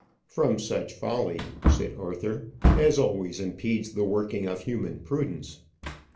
"From such folly," said Arthur, "as always impedes the working of human prudence."